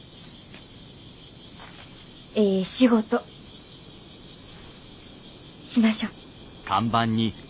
ええ仕事しましょう！